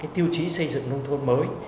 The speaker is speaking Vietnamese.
tiêu chí xây dựng nông thôn mới